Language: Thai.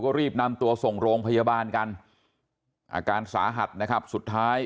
ก็รีบนำตัวส่งโรงพยาบาลกันอาการสาหัสนะครับสุดท้าย